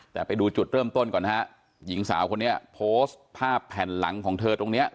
แต่ไปดูจุดเริ่มต้นก่อนนะฮะหญิงสาวคนนี้โพสต์ภาพแผ่นหลังของเธอตรงเนี้ย